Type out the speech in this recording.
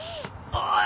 おい！